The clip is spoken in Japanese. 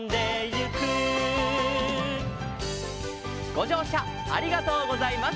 「ごじょうしゃありがとうございます」